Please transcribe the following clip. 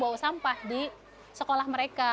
baju kamu bawa sampah di sekolah mereka